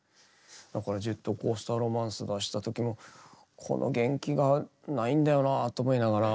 だから「ジェットコースター・ロマンス」出した時もこの元気がないんだよなと思いながら。